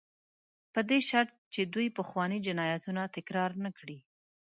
په دې شرط چې دوی پخواني جنایتونه تکرار نه کړي.